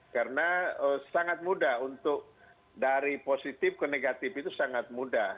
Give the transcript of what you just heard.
karena sangat mudah untuk dari positif ke negatif itu sangat mudah